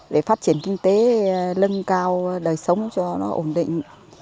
để phát triển kinh tế lân cao đời sống cho nó ổn định